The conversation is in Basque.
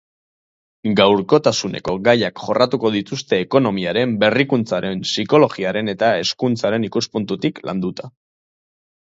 Gaurkotasuneko gaiak jorratuko dituzte ekonomiaren, berrikuntzaren, psikologiaren eta hezkuntzaren ikuspuntutik landuta.